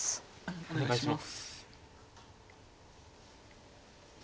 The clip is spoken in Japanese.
お願いします。